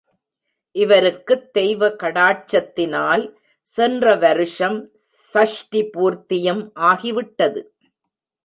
இவருக்குத் தெய்வ கடாட்சத்தினால் சென்ற வருஷம் ஷஷ்டி பூர்த்தியும் ஆகிவிட்டது.